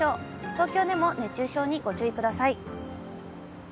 東京でも熱中症にご注意ください。